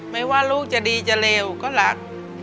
ไม่ว่าลูกจะดีจะเลวก็รัก